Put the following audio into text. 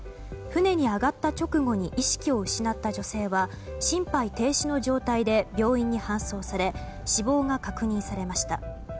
船に上がった直後に意識を失った女性は心肺停止の状態で病院に搬送され死亡が確認されました。